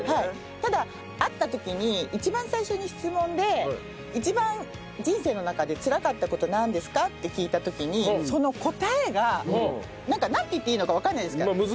ただ会った時に一番最初に質問で一番人生の中でつらかった事なんですか？って聞いた時にその答えがなんかなんて言っていいのかわかんないですから。